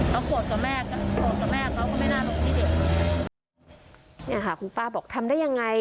เขาโกรธกับแม่ก็โกรธกับแม่เขาก็ไม่น่าลงให้เด็กเนี่ยค่ะคุณป้าบอกทำได้ยังไง